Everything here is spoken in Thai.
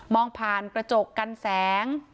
ผ่านกระจกกันแสง